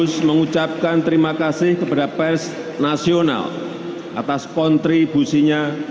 saya mengucapkan terima kasih kepada pers nasional atas kontribusinya